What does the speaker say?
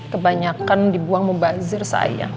kebanyakan dibuang membazir sayang